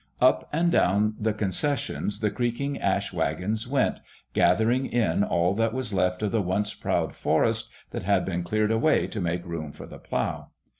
Up and down the concessions the creaking ash wagons went, gathering in all that was left of the once proud forest that had been cleared away to make room for the plow.